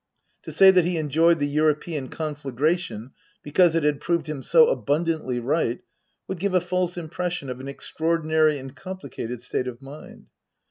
To say that he enjoyed the European conflagration because it had proved him so abundantly right would give a false impression of an extraordinary and complicated state of mind.